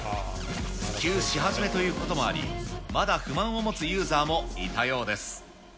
普及し始めということもあり、まだ不満を持つユーザーもいたようです。